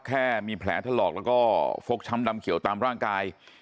แค่มีแผลถลอกแล้วก็ฟกช้ำดำเขียวตามร่างกาย